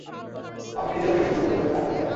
আমি নিজে ওকে টুকরো-টুকরো করে কাটতে চাই।